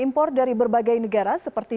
impor dari berbagai negara seperti